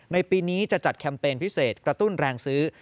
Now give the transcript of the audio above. ปีนี้จะจัดแคมเปญพิเศษกระตุ้นแรงซื้อ